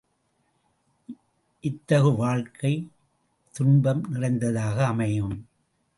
இத்தகு வாழ்க்கை துன்பம் நிறைந்ததாக அமையும்.